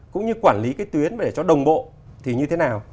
cũng như quản lý cái tuyến để cho đồng bộ thì như thế nào